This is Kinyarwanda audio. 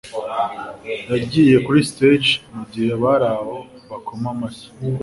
Yagiye kuri stage mugihe abari aho bakoma amashyi